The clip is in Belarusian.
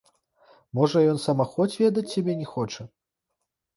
Можа ён самахоць ведаць цябе не хоча?